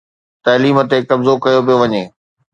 تعليم تي قبضو ڪيو پيو وڃي.